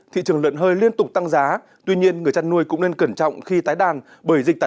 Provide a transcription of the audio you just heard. thị trường lợn hơi liên tục tăng giá tuy nhiên người chăn nuôi cũng nên cẩn trọng khi tái đàn bởi